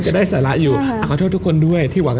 ใช่ขโมยถุ๋ยขโมยบ้าง